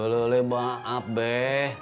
ulu ulu bang abeh